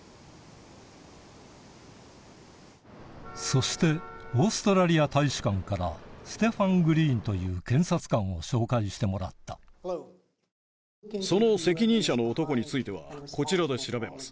そしてオーストラリア大使館からステファン・グリーンという検察官を紹介してもらった矢沢さんは。